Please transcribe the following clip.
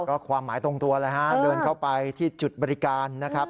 ก็ความหมายตรงตัวเลยฮะเดินเข้าไปที่จุดบริการนะครับ